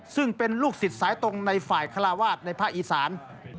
ซึ่งเป็นลูกศิษย์สายตรงในฝ่ายคาราวาสในภาคอีสาน